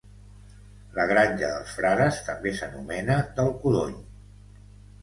La Granja dels Frares també s'anomena del Codony